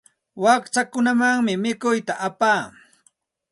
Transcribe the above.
Wakchakunamanmi mikuyta apaa.